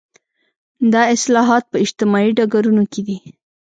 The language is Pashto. دا اصلاحات په اجتماعي ډګرونو کې دي.